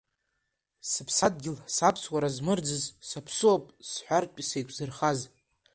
Сыԥсадгьыл, саԥсуара змырӡыз, саԥсыуоуп сҳәартә сеиқәзырхаз.